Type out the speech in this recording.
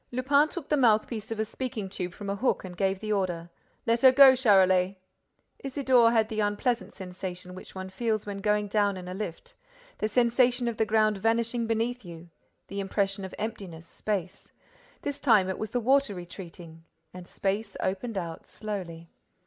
Lupin took the mouthpiece of a speaking tube from a hook and gave the order: "Let her go, Charolais!" Isidore had the unpleasant sensation which one feels when going down in a lift: the sensation of the ground vanishing beneath you, the impression of emptiness, space. This time, it was the water retreating; and space opened out, slowly.